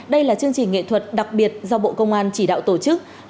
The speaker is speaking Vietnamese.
đây là chương trình nghệ thuật đặc biệt do bộ công an chỉ đạo tổ chức